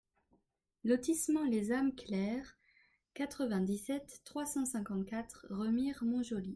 Lotissement Les Ames Claires, quatre-vingt-dix-sept, trois cent cinquante-quatre Remire-Montjoly